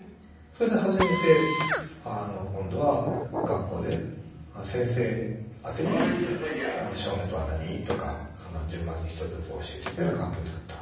それで初めて今度は学校で先生あてに障害とは何とか順番に一つずつ教えていくような関係をつくった。